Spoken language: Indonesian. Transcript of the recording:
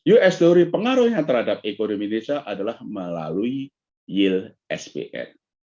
us story pengaruhnya terhadap ekonomi indonesia adalah melalui yield spn